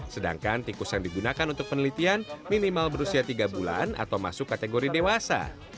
sedangkan tikus yang digunakan untuk penelitian minimal berusia tiga bulan atau masuk kategori dewasa